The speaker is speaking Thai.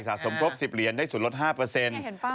สะสมครบสิบเหรียญได้สุดลดห้าเปอร์เซ็นต์